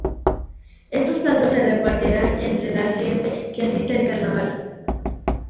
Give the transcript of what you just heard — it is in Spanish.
Estos platos se reparten entre la gente que asiste al carnaval.